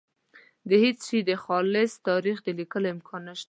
د هېڅ شي د خالص تاریخ د لیکلو امکان نشته.